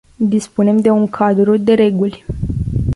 Dispunem de un cadru de reguli.